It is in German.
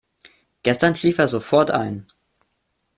Gestern schlief er sofort ein.